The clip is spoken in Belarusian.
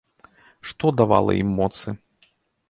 Што давала ім моцы?